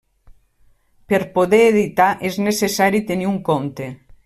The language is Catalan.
Per poder editar és necessari tenir un compte.